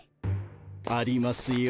ありますよ。